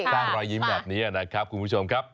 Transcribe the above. รอยยิ้มแบบนี้นะครับคุณผู้ชมครับ